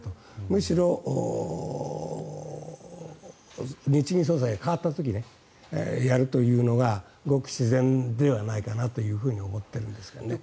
むしろ、日銀総裁が代わった時にやるというのがごく自然ではないかなと思っているんですがね。